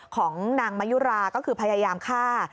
ของนางมะยุราก็คือพยายามฆ่า